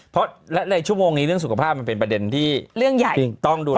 เพราะในชั่วโมงนี้เรื่องสุขภาพมันเป็นประเด็นที่ต้องดูแล